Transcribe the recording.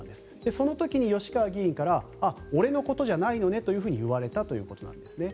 その時に吉川議員からあ、俺のことじゃないよねと言われたということなんですね。